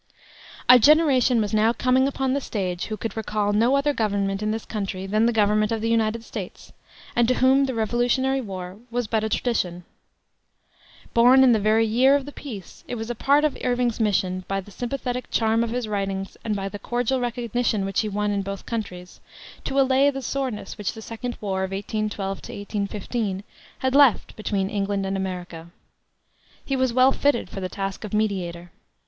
A generation was now coming upon the stage who could recall no other government in this country than the government of the United States, and to whom the Revolutionary War was but a tradition. Born in the very year of the peace, it was a part of Irving's mission, by the sympathetic charm of his writings and by the cordial recognition which he won in both countries, to allay the soreness which the second war, of 1812 15, had left between England and America. He was well fitted for the task of mediator.